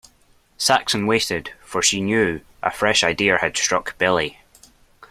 Saxon waited, for she knew a fresh idea had struck Billy.